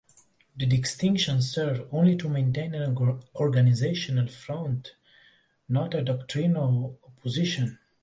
The distinction served only to maintain an organizational front, not a doctrinal opposition.